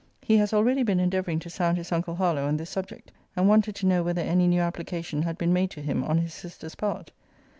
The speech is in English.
He has already been endeavouring to sound his uncle Harlowe on this subject; and wanted to know whether any new application had been made to him on his sister's part.